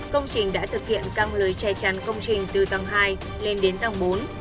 công trình đã thực hiện căng lời che chắn công trình từ tầng hai lên đến tầng bốn